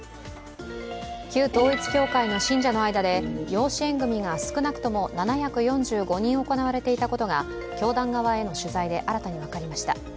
旧統一教会の信者の間で養子縁組が少なくとも７４５人行われていたことが教団側への取材で新たに分かりました。